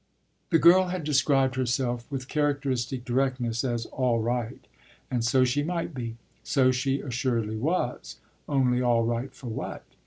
The girl had described herself with characteristic directness as "all right"; and so she might be, so she assuredly was: only all right for what?